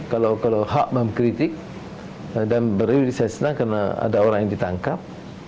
kalau hak memkritik dan beri disiasat karena ada orang yang ditangkap